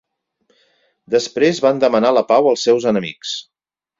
Després van demanar la pau als seus enemics.